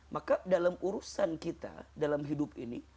maka dalam urusan kita dalam hidup ini